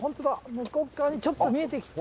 向こっ側にちょっと見えてきた。